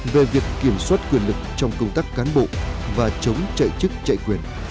về việc kiểm soát quyền lực trong công tác cán bộ và chống chạy chức chạy quyền